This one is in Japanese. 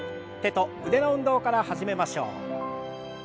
手と腕の運動から始めましょう。